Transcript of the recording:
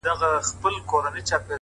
صادق چلند اوږدمهاله باور زېږوي,